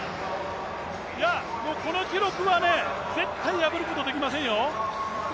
この記録は絶対破ることはできませんよ。